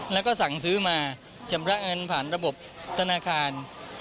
แล้วก็สั่งซื้อมาชำระเงินผ่านระบบธนาคาร